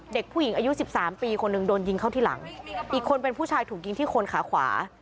เด็กผู้หญิงอายุสิบสามปีคนหนึ่งโดนยิงเข้าที่หลังอีกคนเป็นผู้ชายถูกยิงที่คนขาขวา